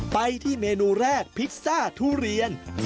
ไปที่เมนูแรกพิซซ่าทุเรียน